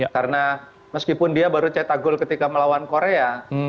karena meskipun dia baru cetak gol ketika melawan korea